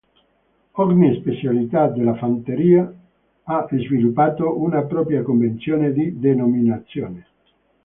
Ogni specialità della fanteria ha sviluppato una propria convenzione di denominazione.